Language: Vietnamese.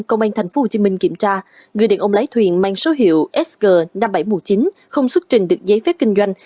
công an tp hcm kiểm tra người điện ông lái thuyền mang số hiệu sg năm nghìn bảy trăm một mươi chín không xuất trình được giấy phép kinh doanh